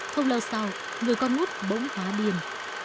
không lâu sau người con út bỗng hóa điên